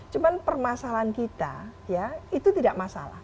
cuma permasalahan kita ya itu tidak masalah